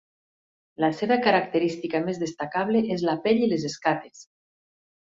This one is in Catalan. La seva característica més destacable és la pell i les escates.